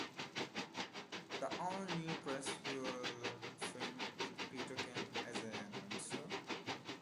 The All-New Press Your Luck fame, with Peter Kent as the announcer.